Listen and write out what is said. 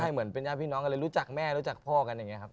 เหมือนเป็นญาติพี่น้องกันเลยรู้จักแม่รู้จักพ่อกันอย่างนี้ครับ